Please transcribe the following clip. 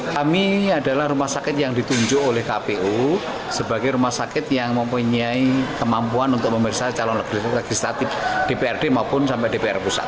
kami adalah rumah sakit yang ditunjuk oleh kpu sebagai rumah sakit yang mempunyai kemampuan untuk memeriksa calon legislatif dprd maupun sampai dpr pusat